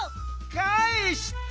かえして！